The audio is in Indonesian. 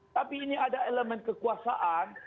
tapi ini ada elemen kekuasaan